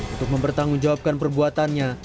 untuk mempertanggungjawabkan perbuatannya